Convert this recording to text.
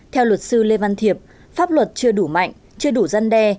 theo luật sư lê văn thiệp pháp luật chưa đủ mạnh chưa đủ gian đe